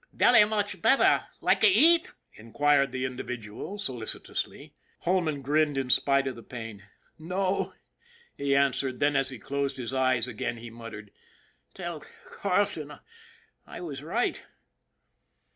" Belly much better? Likee eat ?" inquired that indi vidual solicitously. Holman grinned in spite of the pain. " No," he an RAFFERTY'S RULE 21 swered ; then as he closed his eyes again he muttered :" Tell Carleton I was right."